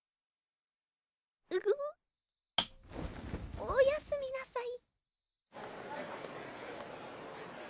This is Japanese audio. うぅおやすみなさい